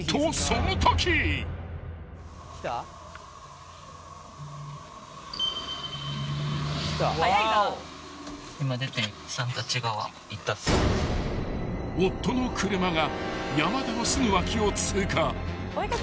［夫の車が山田のすぐ脇を通過］